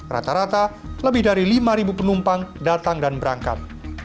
rata rata lebih dari lima penumpang datang dan berangkat